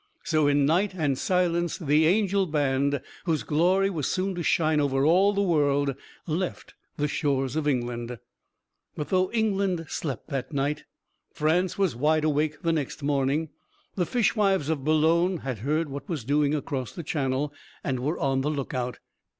So, in night and silence, the "Angel Band" whose glory was soon to shine over all the world, left the shores of England. But though England slept that night, France was wide awake the next morning. The fishwives of Boulogne had heard what was doing across the Channel, and were on the lookout.